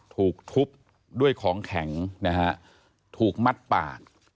ถูกทุบด้วยของแข็งนะฮะถูกมัดปาก